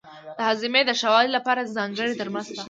د هاضمې د ښه والي لپاره ځانګړي درمل شته.